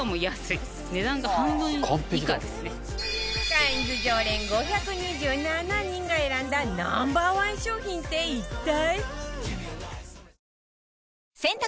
カインズ常連５２７人が選んだ Ｎｏ．１ 商品って一体？